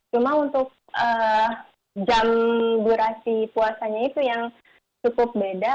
cuma untuk jam durasi puasanya itu yang cukup beda